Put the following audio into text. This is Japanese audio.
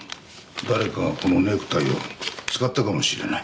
誰かがこのネクタイを使ったかもしれない。